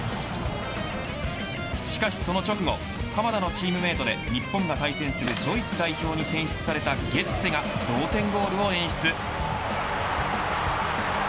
しかしその直後鎌田のチームメートで日本が対戦するドイツ代表に選出されたゲッツェが同点ゴールを演出。